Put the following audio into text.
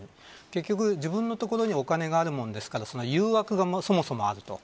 結局、自分のところにお金があるもんですから誘惑がそもそもあると。